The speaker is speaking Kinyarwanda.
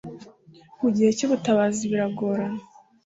mu gihe cy ubutabazi biragorana